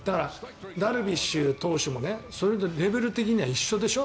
ダルビッシュ投手もレベル的には一緒でしょ。